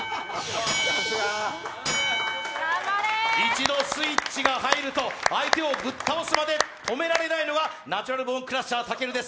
一度スイッチが入ると相手をぶっ倒すまで止められないのがナチュラルボーンクラッシャー・武尊です。